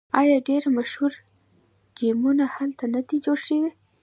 آیا ډیر مشهور ګیمونه هلته نه دي جوړ شوي؟